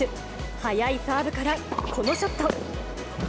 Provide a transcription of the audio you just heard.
速いサーブから、このショット。